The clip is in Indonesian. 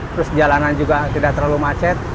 terus jalanan juga tidak terlalu macet